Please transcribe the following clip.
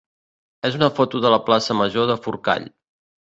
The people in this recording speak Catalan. és una foto de la plaça major de Forcall.